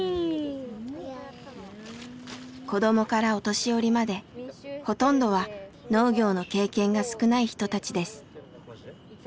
子どもからお年寄りまでほとんどは農業の経験が少ない人たちです。